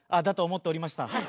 だと思っておりました。